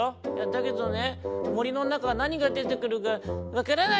「だけどねもりのなかはなにがでてくるかわからないよ⁉」。